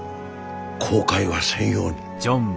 後悔はせんように。